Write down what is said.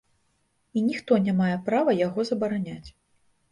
І ніхто не мае права яго забараняць.